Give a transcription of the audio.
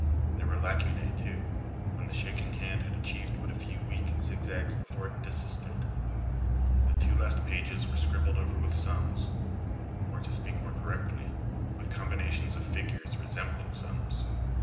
There were lacunae, too, when the shaking hand had achieved but a few weak zigzags before it desisted. The two last pages were scribbled over with sums or, to speak more correctly, with combinations of figures resembling sums.